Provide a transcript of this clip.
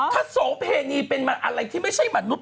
ถ้าโสเพณีเป็นอะไรที่ไม่ใช่มนุษย